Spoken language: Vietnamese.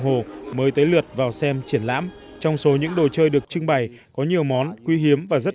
hồ mới tới lượt vào xem triển lãm trong số những đồ chơi được trưng bày có nhiều món quý hiếm và rất